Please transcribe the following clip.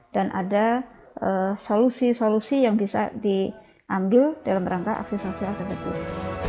dan ada solusi solusi yang bisa diambil dalam rangka aksi sosial tersebut